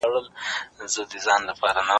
هغه په خپلو خبرو کې ډېره پخه او هوښیاره معلومېدله.